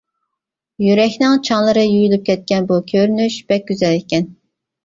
يۈرەكنىڭ چاڭلىرى يۇيۇلۇپ كەتكەن بۇ كۆرۈنۈش بەك گۈزەل ئىكەن.